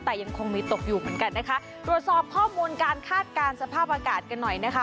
แต่ยังคงมีตกอยู่เหมือนกันนะคะตรวจสอบข้อมูลการคาดการณ์สภาพอากาศกันหน่อยนะคะ